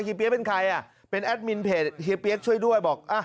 เปี๊ยกเป็นใครอ่ะเป็นแอดมินเพจเฮียเปี๊ยกช่วยด้วยบอก